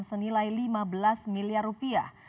senilai lima belas miliar rupiah